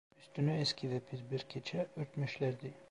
Üstüne eski ve pis bir keçe örtmüşlerdi.